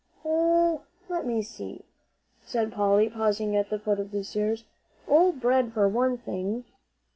"Oh let me see," said Polly, pausing at the foot of the stairs. "Old bread, for one thing."